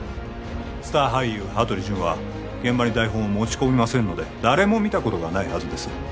スター俳優羽鳥潤は現場に台本を持ち込みませんので誰も見たことがないはずです